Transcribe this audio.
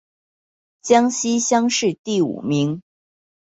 江西乡试第五名。